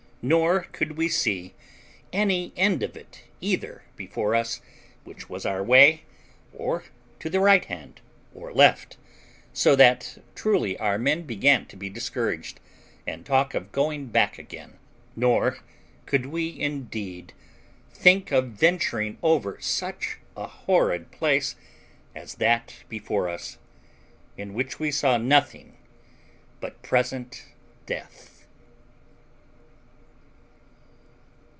Nor could we see any end of it either before us, which was our way, or to the right hand or left; so that truly our men began to be discouraged, and talk of going back again. Nor could we indeed think of venturing over such a horrid place as that before us, in which we saw nothing but present death.